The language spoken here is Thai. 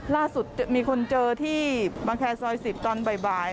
ล่าสุดมีคนเจอที่บังแครซอย๑๐ตอนบ่าย